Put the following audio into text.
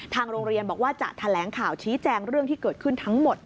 โรงเรียนบอกว่าจะแถลงข่าวชี้แจงเรื่องที่เกิดขึ้นทั้งหมด